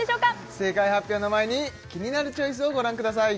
正解発表の前に「キニナルチョイス」をご覧ください